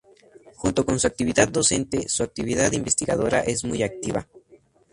Junto con su actividad docente, su actividad investigadora es muy activa.